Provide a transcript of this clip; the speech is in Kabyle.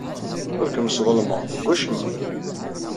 Ur kem-sḍelmeɣ deg wacemma.